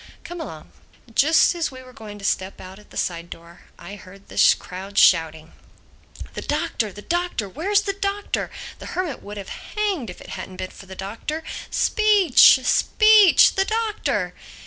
Come along." Just as we were going to step out at a side door I heard the crowd shouting, "The Doctor! The Doctor! Where's the Doctor? The Hermit would have hanged if it hadn't been for the Doctor. Speech! Speech!—The Doctor!"